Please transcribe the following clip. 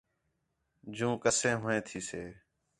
جوں کَتیں ہُون٘ئے تھیسے